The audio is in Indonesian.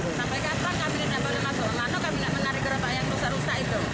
sampai kapan kami tidak boleh masuk ke mana kami tidak menarik gerobak yang rusak rusak itu